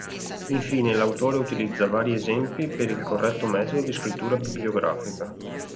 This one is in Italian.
Infine l'autore utilizza vari esempi per il corretto metodo di scrittura bibliografica.